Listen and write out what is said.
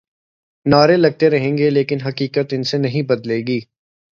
نعرے لگتے رہیں گے لیکن حقیقت ان سے نہیں بدلے گی۔